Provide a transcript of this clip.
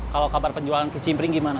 kalau kabar penjualan ke cimpring gimana